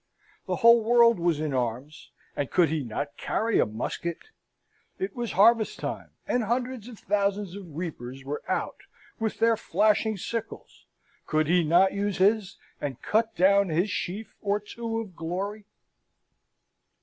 The whole world was in arms, and could he not carry a musket? It was harvest time, and hundreds of thousands of reapers were out with their flashing sickles; could he not use his, and cut down his sheaf or two of glory?